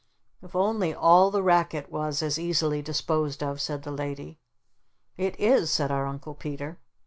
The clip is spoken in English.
"If only all the racket was as easily disposed of!" said the Lady. "It IS!" said our Uncle Peter.